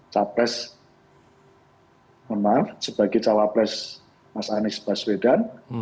capres maaf sebagai cawapres mas anies baswedan